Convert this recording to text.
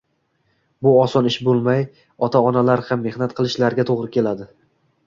Bu oson ish bo‘lmay, ota-onalar ham mehnat qilishlariga to‘g‘ri keladi.